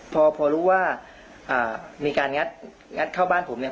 พอพอรู้ว่ามีการงัดเข้าบ้านผมเนี่ย